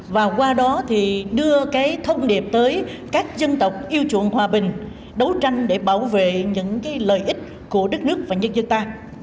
và qua đó thì đưa cái thông điệp tới các dân tộc yêu chuộng hòa bình đấu tranh để bảo vệ những lợi ích của đất nước và nhân dân ta